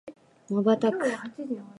瞬く